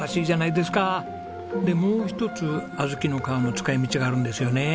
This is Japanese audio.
でもう一つ小豆の皮の使い道があるんですよね。